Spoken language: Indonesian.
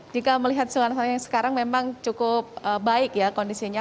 jika melihat suasana yang sekarang memang cukup baik ya kondisinya